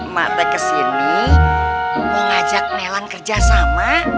mak teh ke sini mau ngajak nelan kerjasama